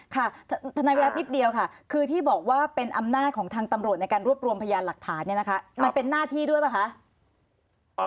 ค่ะทนายวิรัตินิดเดียวค่ะคือที่บอกว่าเป็นอำนาจของทางตำรวจในการรวบรวมพยานหลักฐานเนี่ยนะคะมันเป็นหน้าที่ด้วยป่ะคะ